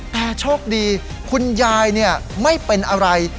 แต่โชคดีคุณยายไม่เป็นอะไร